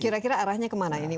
kira kira arahnya kemana ini